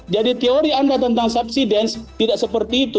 jadi teori anda tentang subsidence tidak seperti itu